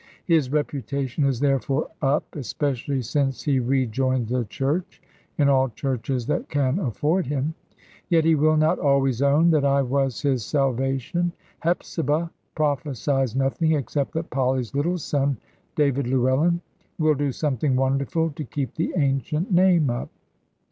His reputation is therefore up especially since he rejoined the Church in all churches that can afford him. Yet he will not always own that I was his salvation. Hepzibah prophesies nothing, except that Polly's little son, "David Llewellyn," will do something wonderful, to keep the ancient name up.